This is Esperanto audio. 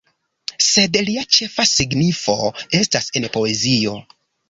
Sed lia ĉefa signifo estas en poezio.